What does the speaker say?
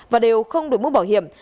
và đều không được múc bảo hiểm